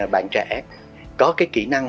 bạn trẻ có cái kỹ năng